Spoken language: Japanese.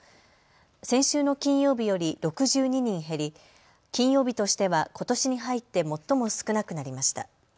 先週の金曜日より６２人減り金曜日としてはことしに入って最も少なくなりました。